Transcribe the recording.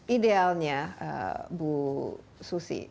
idealnya bu susi